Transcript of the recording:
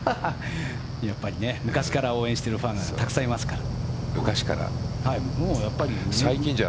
やっぱり昔から応援してるファンがたくさんいますから。